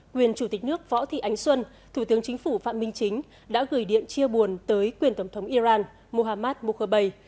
quyền chủ tịch nước võ thị ánh xuân thủ tướng chính phủ phạm minh chính đã gửi điện chia buồn tới quyền tổng thống iran mohammad mokhowei